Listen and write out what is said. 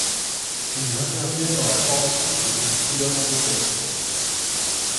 Ils interviennent dans la formation du réticulum endoplasmique.